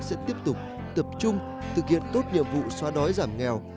sẽ tiếp tục tập trung thực hiện tốt nhiệm vụ xóa đói giảm nghèo